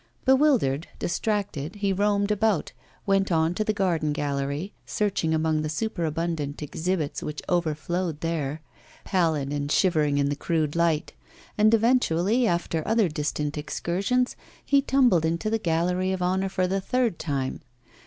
Bewildered, distracted, he roamed about, went on to the garden gallery, searching among the superabundant exhibits which overflowed there, pallid and shivering in the crude light; and eventually, after other distant excursions, he tumbled into the Gallery of Honour for the third time.